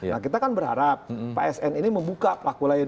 nah kita kan berharap pak sn ini membuka pelaku lain